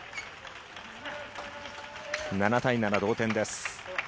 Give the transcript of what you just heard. ７対７、同点です。